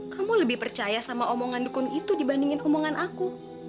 kamu lebih percaya sama omongan dukun itu dibandingin omongan aku